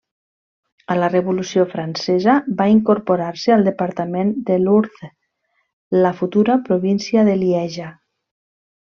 A la revolució francesa va incorporar-se al departament de l'Ourthe, la futura província de Lieja.